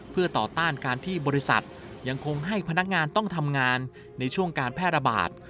เพื่อต่อต้านการที่บริษัทยังคงให้พนักงานต้องทำงานในช่วงการแพร่ระบาด